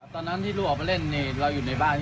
โอ้โฮดูสิวิ่งมากอดพ่อเลย